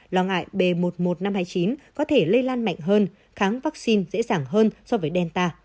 lo ngại b một mươi một nghìn năm trăm hai mươi chín có thể lây lan mạnh hơn kháng vaccine dễ dàng hơn so với delta